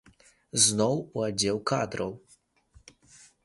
Зноў у аддзел кадраў.